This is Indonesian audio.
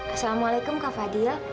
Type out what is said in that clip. assalamualaikum kak fadil